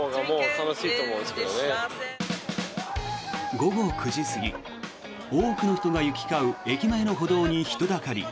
午後９時過ぎ多くの人が行き交う駅前の歩道に人だかり。